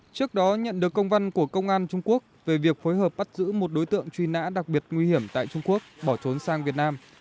trước đó nhận được công văn của công an trung quốc về việc phối hợp bắt giữ một đối tượng truy nã đặc biệt nguy hiểm tại trung quốc bỏ trốn sang việt nam